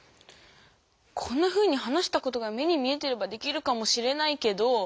こんなふうに話したことが目に見えてればできるかもしれないけど。